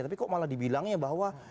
tapi kok malah dibilangnya bahwa